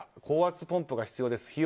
高圧ポンプが必要です。